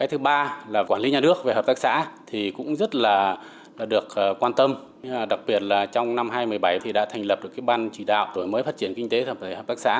hợp tác xã cũng rất là được quan tâm đặc biệt là trong năm hai nghìn một mươi bảy thì đã thành lập được cái ban chỉ đạo tổi mới phát triển kinh tế tập thể hợp tác xã